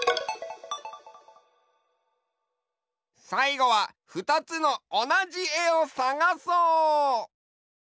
さいごはふたつのおなじえをさがそう！